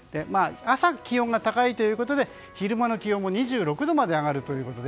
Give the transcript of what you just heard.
朝、気温が高いということで昼間の気温も２６度まで上がります。